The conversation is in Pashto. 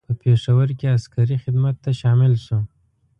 په پېښور کې عسکري خدمت ته شامل شو.